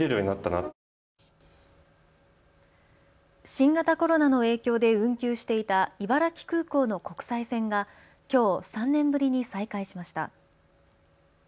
新型コロナの影響で運休していた茨城空港の国際線がきょう３年ぶりに再開しました。